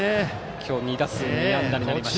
今日２打数２安打になりました。